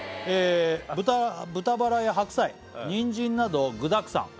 「豚バラや白菜にんじんなど具だくさん」